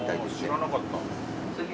知らなかった。